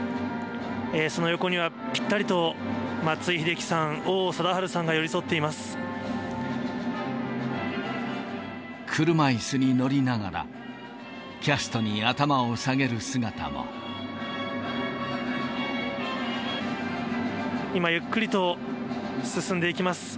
その横には、ぴったりと、松井秀喜さん、王貞治さんが寄り添って車いすに乗りながら、キャス今、ゆっくりと進んでいきます。